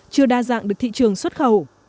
chưa đa dạng được thị trường xuất khẩu